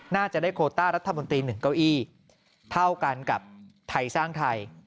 น่าจะได้โคต้ารัฐมนตรี๑เก้าอี้เท่ากันกับไทยสร้างไทย